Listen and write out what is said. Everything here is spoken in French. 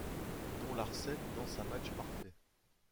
Don Larsen lance un match parfait.